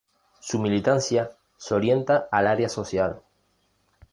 Su militancia se orienta al área social.